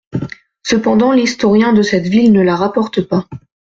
Cependant l'historien de cette ville ne la rapporte pas.